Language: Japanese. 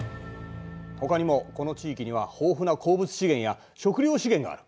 ほかにもこの地域には豊富な鉱物資源や食料資源がある。